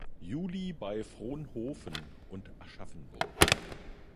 Juli bei Frohnhofen und Aschaffenburg.